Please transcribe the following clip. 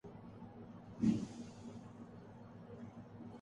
پرتھویں ماہ کو چاند کی راتوں کا منظر دیکھنا بہت خوبصورتی ہوتا ہے